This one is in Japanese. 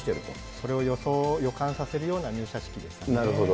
それを予感させるような入社なるほど。